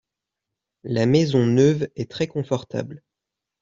La maison neuve est très confortable.